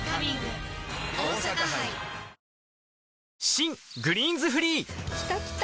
新「グリーンズフリー」きたきた！